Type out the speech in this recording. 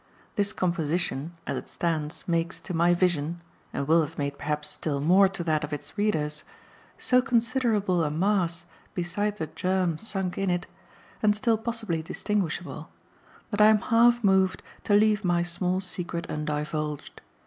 This composition, as it stands, makes, to my vision and will have made perhaps still more to that of its readers so considerable a mass beside the germ sunk in it and still possibly distinguishable, that I am half moved to leave my small secret undivulged.